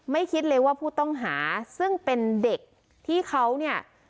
คิดเลยว่าผู้ต้องหาซึ่งเป็นเด็กที่เขาเนี่ย